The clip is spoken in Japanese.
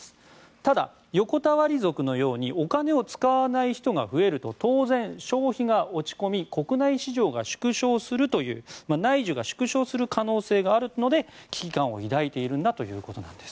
ただ、横たわり族のようにお金を使わない人が増えると当然、消費が落ち込み国内事情が落ち込むという内需が縮小する可能性があるので危機感を抱いているんだということです。